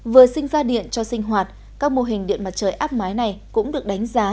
vừa sinh ra điện cho sinh hoạt các mô hình điện mặt trời áp mái này cũng được đánh giá